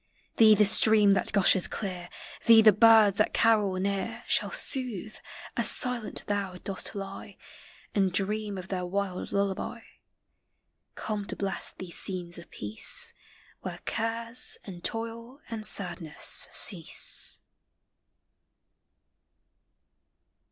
Thee the stream that gushes clear, Thee the birds that carol near Shall soothe, as silent thou dost lie And dream of their wild lullaby ; Come to bless these scenes of peace, Where cares and toil and sadness cease.